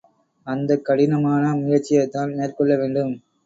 அந்தக் கடினமான முயற்சியைத்தான் மேற்கொள்ள வேண்டும்.